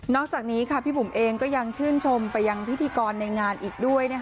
อกจากนี้พี่บุ๋มเองก็ยังชื่นชมไปยังพิธีกรในงานอีกด้วย